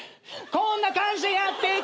こんな感じでやっていくよ。